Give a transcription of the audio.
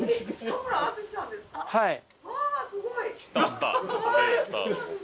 はい。